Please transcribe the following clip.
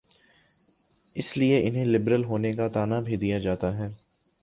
اسی لیے انہیں لبرل ہونے کا طعنہ بھی دیا جاتا ہے۔